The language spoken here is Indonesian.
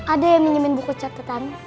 ada yang minimin buku catatan